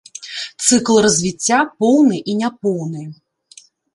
Цыкл развіцця поўны і няпоўны.